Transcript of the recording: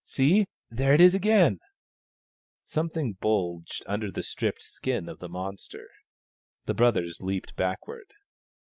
" See — there it is again !" Something bulged under the stripped skin of the monster. The brothers leaped backward.